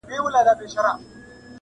نوې د ایمل او دریاخان حماسه ولیکه!!